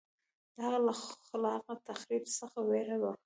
دا هغه له خلاق تخریب څخه وېره وه